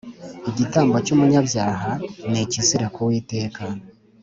igitambo cy umunyabyaha ni ikizira ku uwiteka